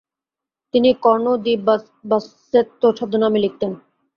তিনি Corno di Bassetto ছদ্মনামে লিখতেন।